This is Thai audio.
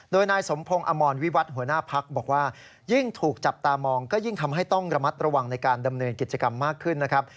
โดยนายสมพงศ์อมรวิวัตรหัวหน้าพักบอกว่ายิ่งถูกจับตามองก็ยิ่งทำให้ต้องระมัดระวังในการดำเนินกิจกรรมมากขึ้นนะครับ